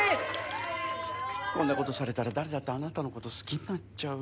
こんなことされたら誰だってあなたのこと好きになっちゃう。